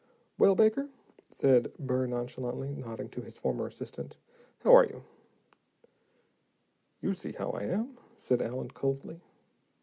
"Well, Baker," said Burr nonchalantly, nodding to his former assistant. "How are you?" "You see how I am," said Allen, coldly.